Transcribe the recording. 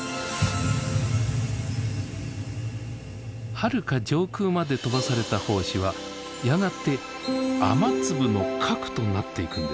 はるか上空まで飛ばされた胞子はやがて雨粒の核となっていくんです。